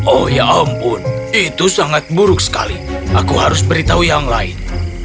oh ya ampun itu sangat buruk sekali aku harus beritahu yang lain